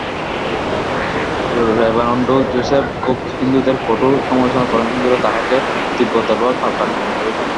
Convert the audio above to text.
Reverend Joseph Cook হিন্দুদের কঠোর সমালোচনা করেন, হিন্দুরা তাঁহাকে তীব্রতরভাবে পাল্টা আক্রমণ করিলেন।